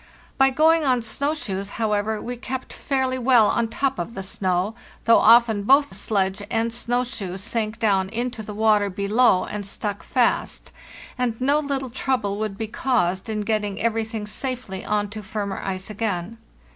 By going on snow shoes, however, we kept fairly well on the top of the snow, though often both sledge and snow shoes sank down into. the water below and stuck fast, and no little trouble would be caused in getting everything safely on to firmer ice again.